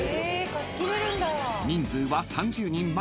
［人数は３０人まで］